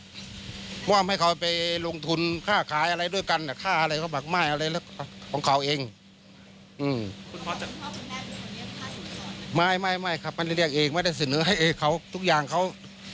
เพราะว่าไม่เขาไปลงทุนค่าขายอะไรด้วยกันค่าอะไรเขาบอกไม่อะไรของเขาเองไม่ไม่ครับไม่ได้เรียกเองไม่ได้เสนอให้เองเขาทุกอย่างเขา